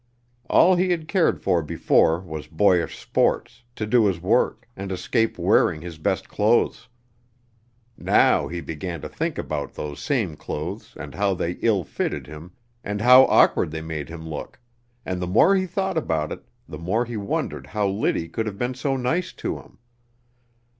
All he had cared for before was boyish sports, to do his work, and escape wearing his best clothes. Now he began to think about those same clothes and how ill they fitted him and how awkward they made him look, and the more he thought about it the more he wondered how Liddy could have been so nice to him.